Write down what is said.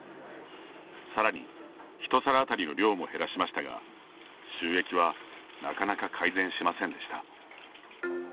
さらに一皿当たりの量も減らしましたが収益はなかなか改善しませんでした。